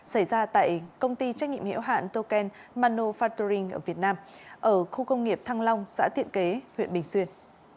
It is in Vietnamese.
xảy ra tại công ty trách nhiệm hiệu hạn token manufacturing ở việt nam ở khu công nghiệp thăng long xã tiện kế huyện bình xuyên